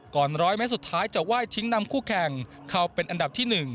๑๐๐เมตรสุดท้ายจะไหว้ทิ้งนำคู่แข่งเข้าเป็นอันดับที่๑